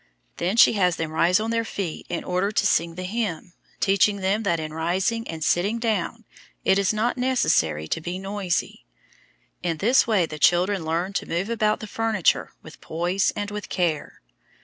Then she has them rise on their feet in order to sing the hymn, teaching them that in rising and sitting down it is not necessary to be noisy. In this way the children learn to move about the furniture with poise and with care.